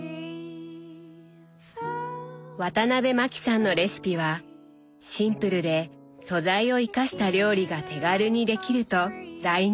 ワタナベマキさんのレシピは「シンプルで素材を生かした料理が手軽にできる」と大人気。